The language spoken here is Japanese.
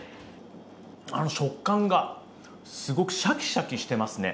食感がすごくシャキシャキしてますね。